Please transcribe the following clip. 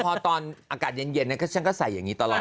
พอตอนอากาศเย็นฉันก็ใส่อย่างนี้ตลอด